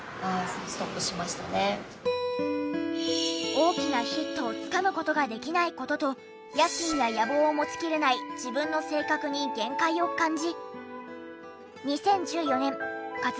大きなヒットをつかむ事ができない事と野心や野望を持ちきれない自分の性格に限界を感じ。